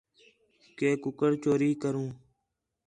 کہ کُکر چوری کروں